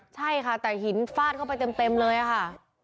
ใช่ค่ะแต่หินฟาดเข้าไปเต็มเลยค่ะ